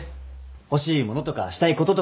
欲しい物とかしたいこととか。